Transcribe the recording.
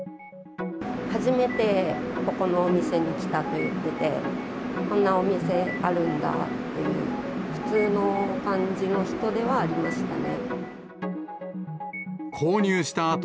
初めてここのお店に来たと言ってて、こんなお店あるんだっていう、普通の感じの人ではありましたね。